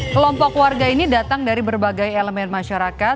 kelompok warga ini datang dari berbagai elemen masyarakat